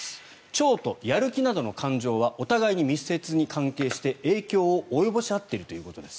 腸とやる気などの感情はお互いに密接に関係して影響を及ぼし合っているということです。